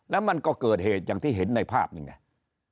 แล้วมันก็เกิดเหตุอย่างที่เห็นในภาพนี่ไง